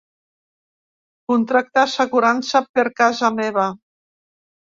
Contractar assegurança per casa meva.